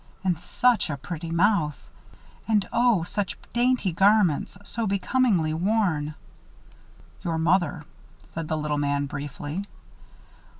And such a pretty mouth. And oh! such dainty garments, so becomingly worn. "Your mother," said the little man, briefly.